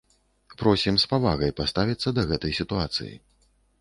Просім з павагай паставіцца да гэтай сітуацыі.